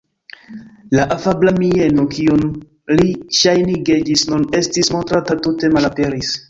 La afabla mieno, kiun li ŝajnige ĝis nun estis montranta, tute malaperis.